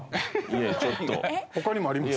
えっ？他にもあります？